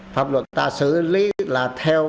pháp luật người ta xử lý là theo